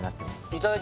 いただい